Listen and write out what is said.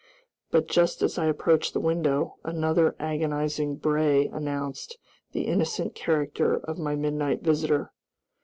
But just as I approached the window, another agonizing bray announced the innocent character of my midnight visitor.